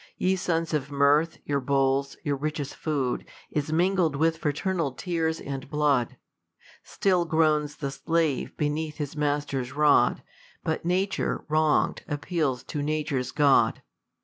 Ye sons of mirth, your bowls, your richest food., IS mingled with fraternal tears and blood. Still groans the slave beneath his master's rod, But nature, wrong'd, appeals to nature's GOD.